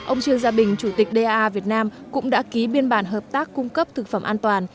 ông trương gia bình chủ tịch da việt nam cũng đã ký biên bản hợp tác cung cấp thực phẩm an toàn